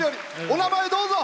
お名前どうぞ。